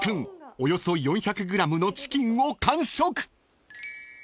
およそ４００ｇのチキンを完食］